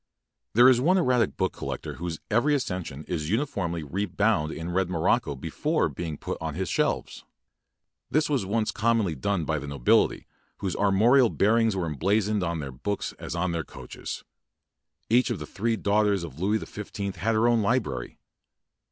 There is one erratic book collector whose every accession is uniformly re bound in red morocco before being put on his shelves. , This was once com monly done by the nobilily, whose ar morial bearings were emblazoned on their books as on their coaches. Each of the three daughters of Louis the Fifteenth had her own library.